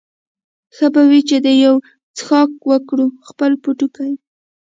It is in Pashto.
ښه به وي چې یو څښاک وکړو، خپل پوټکی یې.